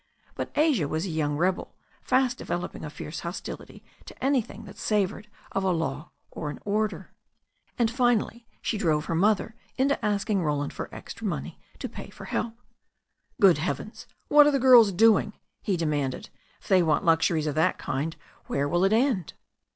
But Asia was a young rebel, fast developing a fierce hostility to anything that savoured of a law or an order, and she finally drove her mother into asking Roland for the extra money to pay for help. "Good heavens ! What are the girls doing ?" he had de manded. "If they want luxuries of that kind where will it end?"